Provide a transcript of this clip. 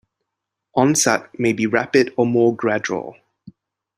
Onset may be rapid or more gradual.